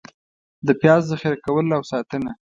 د پیاز ذخېره کول او ساتنه: